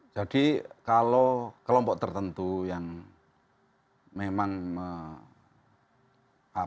jadi kalau kelompok tertentu yang memang mengajak itu